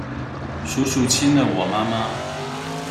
叔叔親了我媽媽